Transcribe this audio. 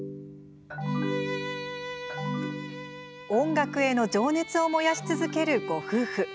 音楽への情熱を燃やし続けるご夫婦。